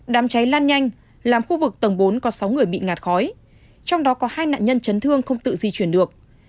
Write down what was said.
đám cháy lan nhanh làm khu vực tầng bốn có sáu người bị ngạt khói trong đó có hai nạn nhân chấn thương không tự di chuyển được